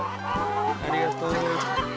ありがとう。